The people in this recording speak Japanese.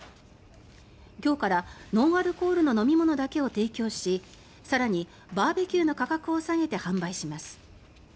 今日からノンアルコールの飲み物だけを提供し更に、バーベキューの価格を下げて販売します。